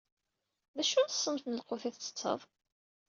D acu n ṣṣenf n lqut i ttetteḍ?